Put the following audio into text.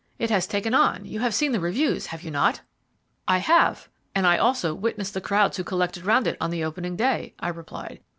It has taken on; you have seen the reviews, have you not?" "I have, and I also witnessed the crowds who collected round it on the opening day," I replied.